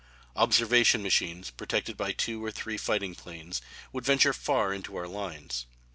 Observation machines protected by two or three fighting planes would venture far into our lines.